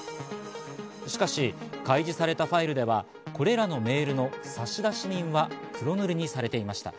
しかし、開示されたファイルではこれらのメールの差出人は黒塗りにされていました。